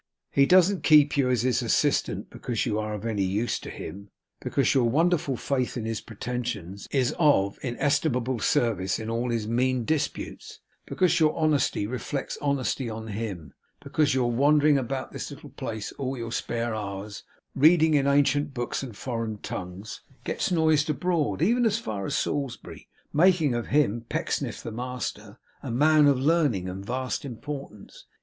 He doesn't keep you as his assistant because you are of any use to him; because your wonderful faith in his pretensions is of inestimable service in all his mean disputes; because your honesty reflects honesty on him; because your wandering about this little place all your spare hours, reading in ancient books and foreign tongues, gets noised abroad, even as far as Salisbury, making of him, Pecksniff the master, a man of learning and of vast importance.